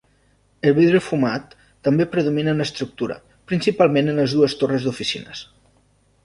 El vidre fumat també predomina en l'estructura, principalment en les dues torres d'oficines.